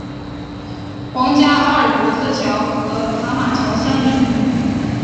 皇家阿尔伯特桥和塔马桥相邻。